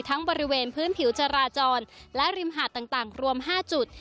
บริเวณพื้นผิวจราจรและริมหาดต่างรวม๕จุด